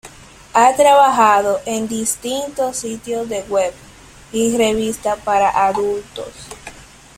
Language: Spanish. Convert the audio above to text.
Ha trabajado en distintos sitios web y revistas para adultos.